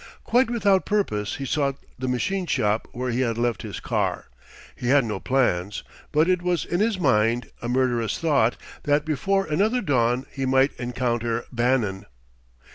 Quite without purpose he sought the machine shop where he had left his car. He had no plans; but it was in his mind, a murderous thought, that before another dawn he might encounter Bannon.